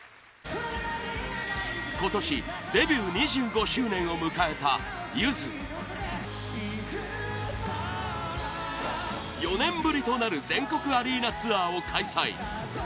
今年、デビュー２５周年を迎えた、ゆず４年ぶりとなる全国アリーナツアーを開催